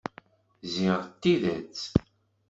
Ziɣ d tidet.